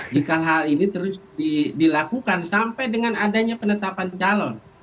jika hal ini terus dilakukan sampai dengan adanya penetapan calon